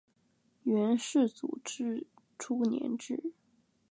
元世祖初年置。